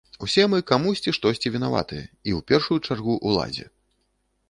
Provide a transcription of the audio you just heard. Мы ўсе камусьці штосьці вінаватыя, і ў першую чаргу ўладзе.